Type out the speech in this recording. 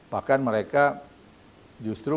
bahkan mereka justru